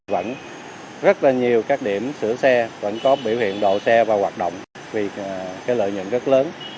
vẫn rất là nhiều các điểm sửa xe vẫn có biểu hiện đổ xe và hoạt động vì cái lợi nhuận rất lớn